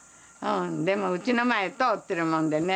でもうちの前通ってるもんでね。